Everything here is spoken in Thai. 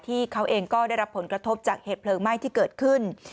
ที่เขาเองก็ได้รับผลกระทบจากเหตุเพลิงไหม้ที่เกิดขึ้น